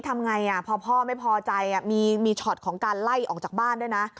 ทำไงพอพ่อไม่พอใจมีช็อตของการไล่ออกจากบ้านด้วยนะ